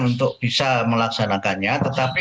untuk bisa melaksanakannya tetapi